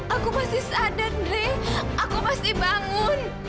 aku masih sadar andre aku masih bangun